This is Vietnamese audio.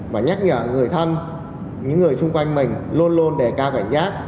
và nhắc nhở người thân những người xung quanh mình luôn luôn đề cao cảnh giác